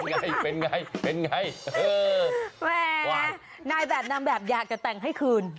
อะไรเออหน้าแบบอยากจะแต่งให้คืน